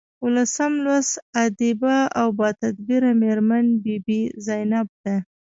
اوولسم لوست ادیبه او باتدبیره میرمن بي بي زینب ده.